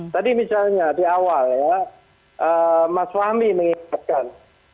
tadi misalnya di awal ya mas fahmi mengingatkan